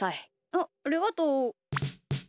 あっありがとう。